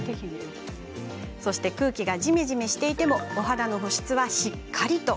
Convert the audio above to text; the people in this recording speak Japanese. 空気がじめじめしていてもお肌の保湿はしっかりと。